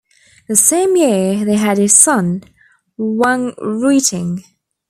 The same year, they had a son, Wang Ruiting.